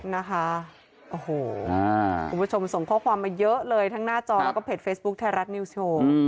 นะคะโอ้โหคุณผู้ชมส่งข้อความมาเยอะเลยทั้งหน้าจอแล้วก็เพจเฟซบุ๊คไทยรัฐนิวส์โชว์